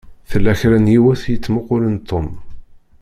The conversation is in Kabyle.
Tella kra n yiwet i yettmuqqulen Tom.